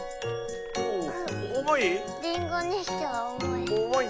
りんごにしては重い。